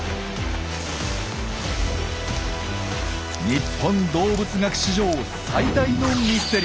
日本動物学史上最大のミステリー。